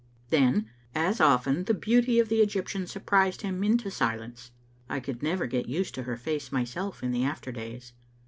Then, as often, the beauty of the Egyptian surprised him into silence. I could never get used to her face myself in the after days.